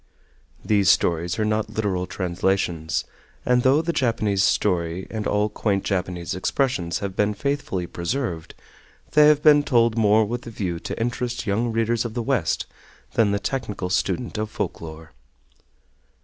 These stories are not literal translations, and though the Japanese story and all quaint Japanese expressions have been faithfully preserved, they have been told more with the view to interest young readers of the West than the technical student of folk lore.